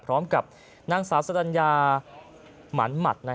พร้อมกับนางสาวสรัญญาหมานหมัด